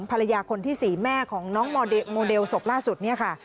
ภรรยาคนที่๔แม่ของน้องโมเดลศพล่าสุดเนี่ยค่ะ